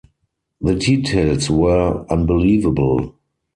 The details were unbelievable.